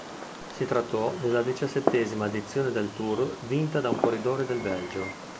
Si trattò della diciassettesima edizione del Tour vinta da un corridore del Belgio.